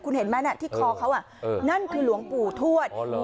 คุณเห็นไหมน่ะที่คอเขาอ่ะเออนั่นคือหลวงปู่ทวดอ๋อเหรอ